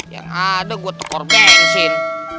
yang ada gua tekor bensin